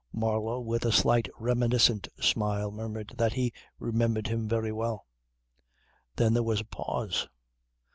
Marlow with a slight reminiscent smile murmured that he "remembered him very well." Then there was a pause.